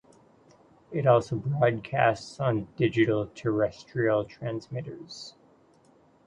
It also broadcasts on digital terrestrial transmitters.